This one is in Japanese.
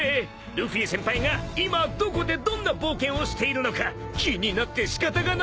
ルフィ先輩が今どこでどんな冒険をしているのか気になって仕方がないんだべ。